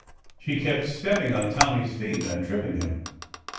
She kept stepping on Tommy's feet, and tripping him.